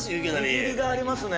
握りがありますね。